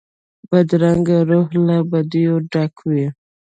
بدرنګه روح له بدیو ډک وي